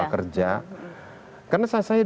kerja karena saya